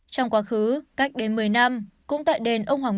trong quá khứ cách đến một mươi năm cũng tại đền ông hoàng một mươi